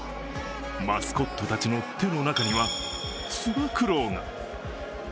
マスコットたちの手の中にはつば九郎が。